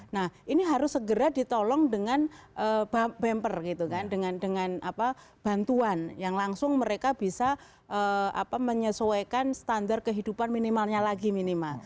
nah ini harus segera ditolong dengan bumper gitu kan dengan bantuan yang langsung mereka bisa menyesuaikan standar kehidupan minimalnya lagi minimal